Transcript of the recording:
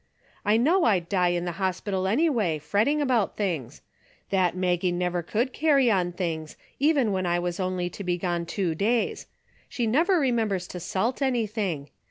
I know I'd die in the hospital anyway, fretting about things. That Maggie never could carry on things, even if I was only to be gone two days. She never remembers to salt anything.